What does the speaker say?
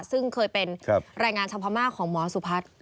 ซึ่งเคยเป็นแรงงานชาวพม่าของหมอสุพัฒน์